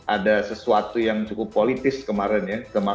ada sesuatu yang cukup politis kemarin ya